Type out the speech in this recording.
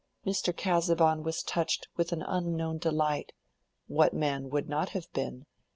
Mr. Casaubon was touched with an unknown delight (what man would not have been?)